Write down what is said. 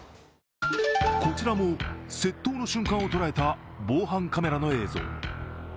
こちらも窃盗の瞬間を捉えた防犯カメラの映像。